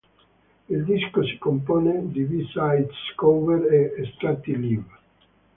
Il disco si compone di B-sides, cover e estratti live.